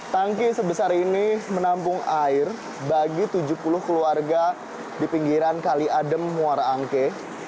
tangki sebesar ini menampung air bagi tujuh puluh keluarga di pinggiran kali adem muara angke